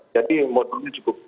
jadi modalnya cukup besar